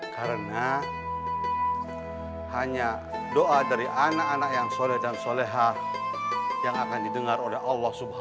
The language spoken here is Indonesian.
karena hanya doa dari anak anak yang soleh dan soleha yang akan didengar oleh allah swt